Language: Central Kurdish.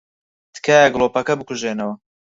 تکایە گڵۆپەکە بکوژێنەوە.